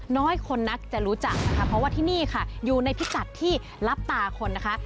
น้อยคนนักจะรู้จักนะคะเพราะว่าที่นี่ค่ะอยู่ในพิกัดที่รับตาคนนะคะ